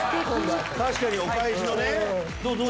確かにお返しのね。